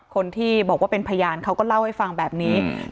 คนที่บอกว่าเป็นพยานเขาก็เล่าให้ฟังแบบนี้